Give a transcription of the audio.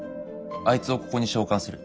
あいつをここに召喚する。